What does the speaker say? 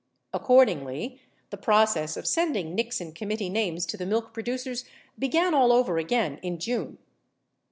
Accordingly, the process of sending Nixon committee names to the milk producers began all over again in June.